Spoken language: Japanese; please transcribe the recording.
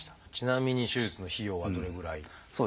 ちなみに手術の費用はどれぐらい？